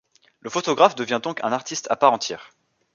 Le photographe devient donc un artiste à part entière.